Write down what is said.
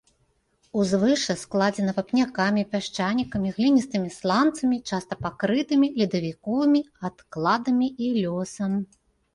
Узвышша складзена вапнякамі, пясчанікамі, гліністымі сланцамі часта перакрытымі ледавіковымі адкладамі і лёсам.